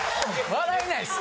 笑えないっす。